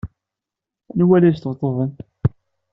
Anwa ay la d-yesṭebṭuben?